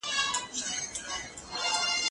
زه به اوږده موده سیر کړی وم!.